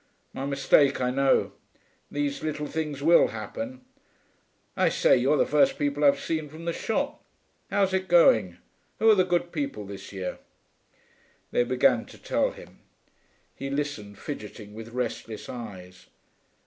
My mistake, I know. These little things will happen.... I say, you're the first people I've seen from the shop. How's it going? Who are the good people this year?' They began to tell him. He listened, fidgeting, with restless eyes.